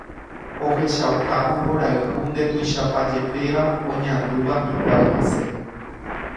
ohechaukávo mborayhu ndetuichapajepéva oñandúva hikuái hese.